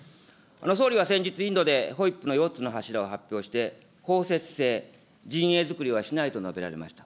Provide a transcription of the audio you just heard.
総理は先日、インドでＦＯＩＰの４つの柱を発表して、包摂性、陣営作りはしないと述べられました。